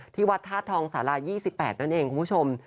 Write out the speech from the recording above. ที่วัดธาตุทองศาลายี่สิบแปดนั่นเองคุณผู้ชม